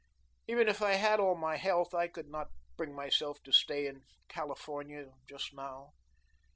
Even if I had all my health, I could not bring myself to stay in California just now.